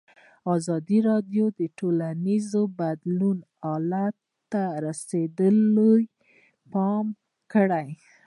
ازادي راډیو د ټولنیز بدلون حالت ته رسېدلي پام کړی.